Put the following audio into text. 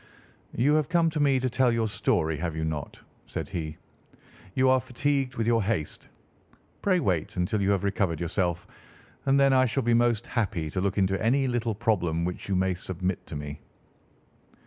"You have come to me to tell your story, have you not?" said he. "You are fatigued with your haste. Pray wait until you have recovered yourself, and then I shall be most happy to look into any little problem which you may submit to me."